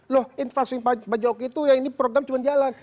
loh infrastruktur yang panjang itu ya ini program cuma jalan